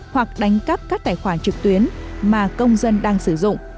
hoặc đánh cắp các tài khoản trực tuyến mà công dân đang sử dụng